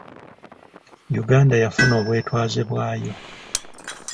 Uganda yafuna obwetwaze bwayo.